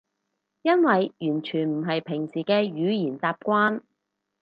因為完全唔係平時嘅語言習慣